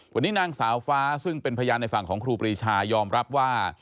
วันนี้นางสาวฟ้าซึ่งเป็นพยานในฝั่งของครูปรีชายอมรับว่า